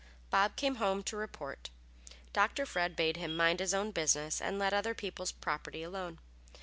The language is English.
Bob came home to report. Dr. Fred bade him mind his own business and let other people's property alone.